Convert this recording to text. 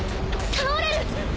倒れる！